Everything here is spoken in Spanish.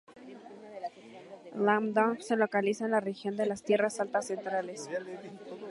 Lam Dong se localiza en la región de las Tierras Altas Centrales.